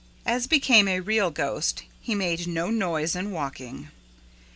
As became a real ghost, he made no noise in walking.